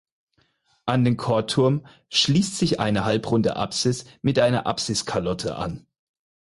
An den Chorturm schließt sich eine halbrunde Apsis mit einer Apsiskalotte an.